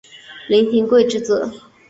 林廷圭之子。